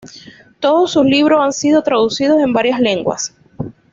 Todos sus libros han sido traducidos en varias lenguas.